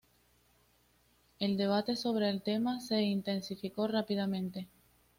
El debate sobre el tema se intensificó rápidamente.